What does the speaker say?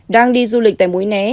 đang đi du lịch tại mũi né